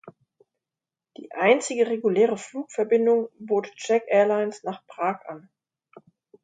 Die einzige reguläre Flugverbindung bot Czech Airlines nach Prag an.